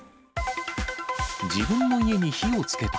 自分の家に火をつけた。